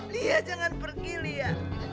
lia jangan pergi lia